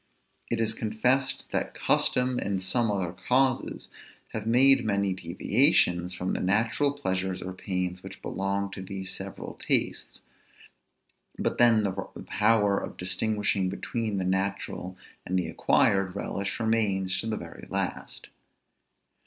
It is confessed, that custom and some other causes have made many deviations from the natural pleasures or pains which belong to these several tastes; but then the power of distinguishing between the natural and the acquired relish remains to the very last.